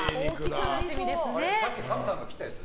さっきＳＡＭさん切ったやつ？